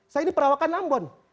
saya ini perawakan ambon